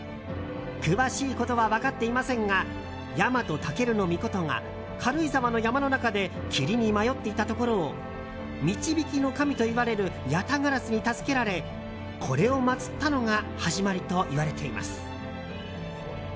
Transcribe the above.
詳しいことは分かっていませんがヤマトタケルノミコトが軽井沢の山の中で霧に迷っていたところを導きの神といわれる八咫烏に助けられこれを祭ったのが始まりといわれています。